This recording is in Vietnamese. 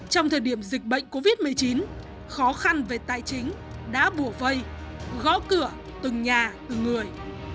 trong thời điểm dịch bệnh covid một mươi chín khó khăn về tài chính đã bùa vây gõ cửa từng nhà từng người